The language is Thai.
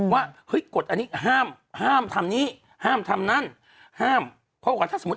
ว่ากฎมีห้ามห้ามทำนี้ห้ามทำนั้นห้ามเพราะว่าถ้าสมมติ